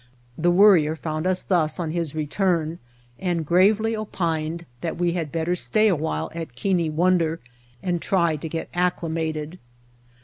The Worrier found us thus on his return and gravely opined that we had better stay a while at Keane Wonder and try to get acclimated.